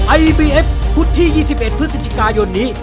ไอบีเอฟพุทธที่ยี่สิบเอ็ดพฤติจิกายนนี้